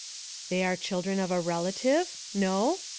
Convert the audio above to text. "They are children of a relative? No?